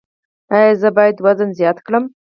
ایا زه باید وزن زیات کړم؟